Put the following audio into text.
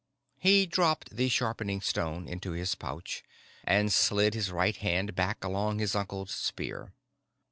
He dropped the sharpening stone into his pouch and slid his right hand back along his uncle's spear.